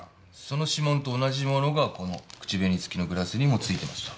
その指紋と同じものがこの口紅つきのグラスにもついていました。